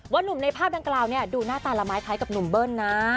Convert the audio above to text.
หนุ่มในภาพดังกล่าวเนี่ยดูหน้าตาละไม้คล้ายกับหนุ่มเบิ้ลนะ